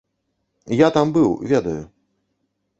Я там быў, ведаю.